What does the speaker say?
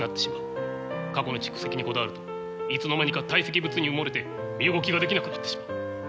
過去の蓄積にこだわるといつの間にか堆積物に埋もれて身動きができなくなってしまう。